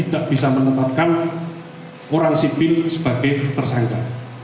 tidak bisa menetapkan orang sipil sebagai tersangka